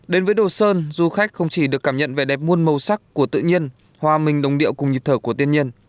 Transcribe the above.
đến với đồ sơn du khách không chỉ được cảm nhận vẻ đẹp muôn màu sắc của tự nhiên hòa mình đồng điệu cùng nhịp thở của tiên nhân